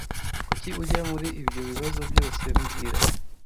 Kuki ujya muri ibyo bibazo byose mbwira